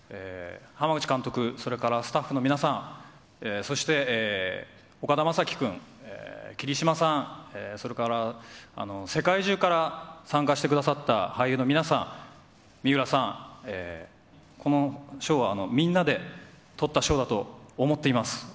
濱口監督、それからスタッフの皆さん、そして岡田将生君、霧島さん、それから世界中から参加してくださった俳優の皆さん、三浦さん、この賞はみんなで取った賞だと思っています。